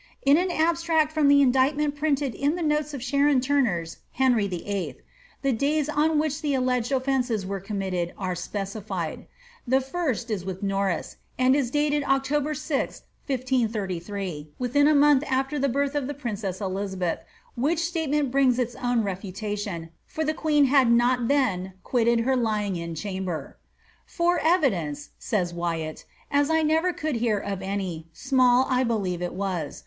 '' In an abstract from the indictment printed in the noies of Sharon Turner's Henry Vlll., the days on which the alleged ofiencea were committed are specified. The first is with Norris, and is dated October 6th, 1533, within a month af\er the birth of the princess Dizabeth, which statement brings its own refutation, for the queen had not then quitted her lying in chamber.' ^ For the evidence," says Wyatt, ^ as I never could hear of any, smaU I believe it was.